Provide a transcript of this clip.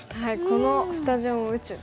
このスタジオも宇宙ですしね。